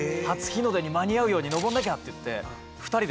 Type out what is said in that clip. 「初日の出に間に合うように登んなきゃ」って言って。